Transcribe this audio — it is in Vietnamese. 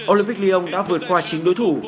olympic lyon đã vượt qua chính đối thủ